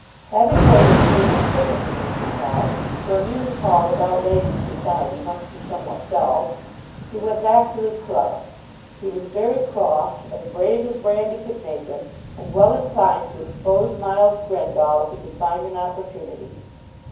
Having waited till he was sick of the Music Hall, for a music hall without ladies' society must be somewhat dull, he went back to his club. He was very cross, as brave as brandy could make him, and well inclined to expose Miles Grendall if he could find an opportunity.